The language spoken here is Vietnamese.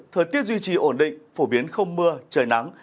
thời tiết duy trì ổn định phổ biến không mưa trời nắng